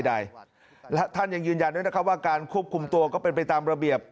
ใดและท่านยังยืนยันด้วยนะครับว่าการควบคุมตัวก็เป็นไปตามระเบียบ